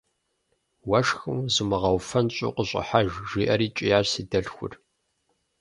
– Уэшхым зумыгъэуфэнщӀу къыщӀыхьэж, - жиӏэри кӏиящ си дэлъхур.